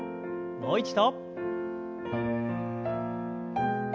もう一度。